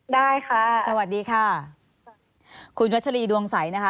ได้ค่ะสวัสดีค่ะคุณวัชรีดวงใสนะคะ